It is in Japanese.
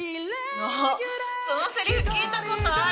あっそのセリフ聞いたことある。